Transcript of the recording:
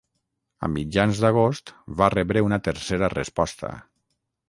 A mitjans d'agost va rebre una tercera resposta.